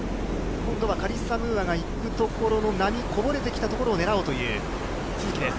カリッサ・ムーアが行くところの波、こぼれてきたところを狙おうという都筑です。